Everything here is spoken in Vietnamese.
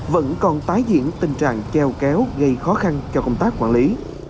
vẫn còn tái diễn tình trạng treo kéo gây khó khăn cho công tác quản lý